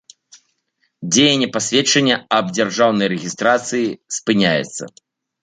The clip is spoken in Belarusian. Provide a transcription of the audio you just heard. Дзеянне пасведчання аб дзяржаўнай рэгiстрацыi спыняецца.